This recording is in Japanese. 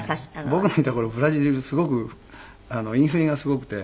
僕のいた頃ブラジルすごくインフレがすごくて。